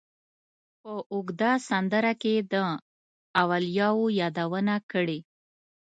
په اوږده سندره کې یې د اولیاوو یادونه کړې.